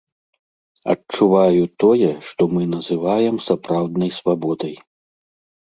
Адчуваю тое, што мы называем сапраўднай свабодай.